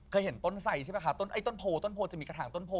เคยเห็นต้นไส้ใช่ป่ะคะต้นโพลจะมีกระถางต้นโพล